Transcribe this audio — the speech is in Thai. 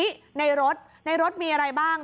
นี่ในรถในรถมีอะไรบ้าง